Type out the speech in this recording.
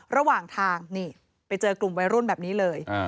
ระหว่างทางนี่ไปเจอกลุ่มวัยรุ่นแบบนี้เลย